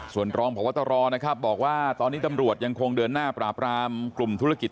ส่วนรองพบตรนะครับบอกว่าตอนนี้ตำรวจยังคงเดินหน้าปราบรามกลุ่มธุรกิจ